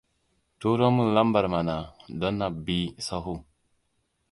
Turo min lambar mana don na bi sahu.